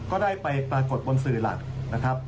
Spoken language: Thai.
ก็ได้ไปปรากฏบนสื่อหลักนะครับ